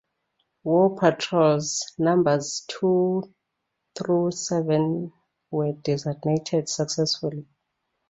War patrols numbers two through seven were designated "successful".